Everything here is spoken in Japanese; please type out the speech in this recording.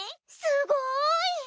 すごい。